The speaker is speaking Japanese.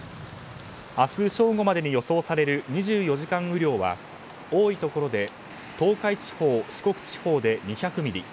明日正午までに予想される２４時間雨量は多いところで東海地方四国地方で２００ミリ